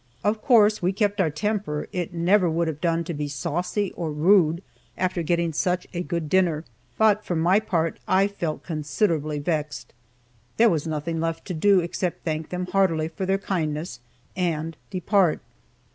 Of course we kept our temper; it never would have done to be saucy or rude after getting such a good dinner, but, for my part, I felt considerably vexed. But there was nothing left to do except thank them heartily for their kindness and depart.